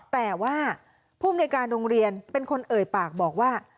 แต่ว่าภูมิในการโรงเรียนเป็นคนเอ่ยปากบอกว่า